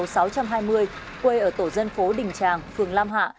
nữ bệnh nhân số sáu một trăm hai mươi quê ở tổ dân phố đình tràng phường lam hạ